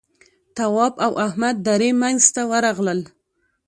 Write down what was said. تواب او احمد درې مينځ ته ورغلل.